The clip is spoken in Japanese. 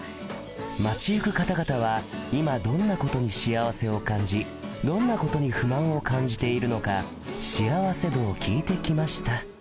街ゆく方々は今どんなことに幸せを感じどんなことに不満を感じているのか幸せ度を聞いてきました